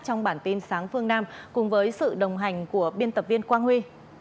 trong bản tin sáng phương nam cùng với sự đồng hành của biên tập viên quang huy